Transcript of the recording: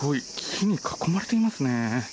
木に囲まれてますね。